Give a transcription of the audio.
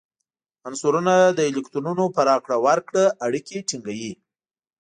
عنصرونه د الکترونونو په راکړه ورکړه اړیکې ټینګوي.